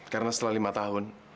karena setelah lima tahun